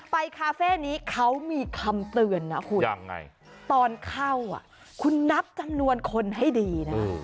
คาเฟ่นี้เขามีคำเตือนนะคุณตอนเข้าคุณนับจำนวนคนให้ดีนะ